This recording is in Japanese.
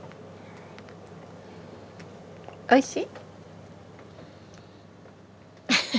おいしい？